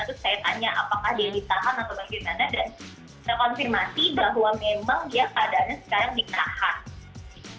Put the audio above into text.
terus saya tanya apakah dia ditahan atau bagaimana dan saya konfirmasi bahwa memang dia keadaannya sekarang ditahan